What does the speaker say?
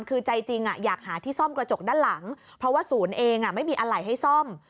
คือใจจริงอยากหาที่ซ่อมกระจกด้านหลังเพราะว่าศูนย์เองไม่มีอะไรให้ซ่อม